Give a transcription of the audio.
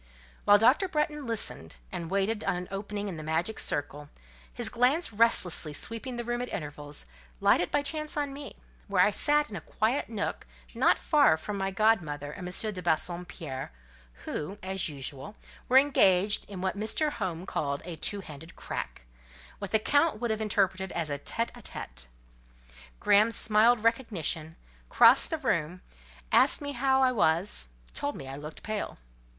While Dr. Bretton listened, and waited an opening in the magic circle, his glance restlessly sweeping the room at intervals, lighted by chance on me, where I sat in a quiet nook not far from my godmother and M. de Bassompierre, who, as usual, were engaged in what Mr. Home called "a two handed crack:" what the Count would have interpreted as a tête à tête. Graham smiled recognition, crossed the room, asked me how I was, told me I looked pale.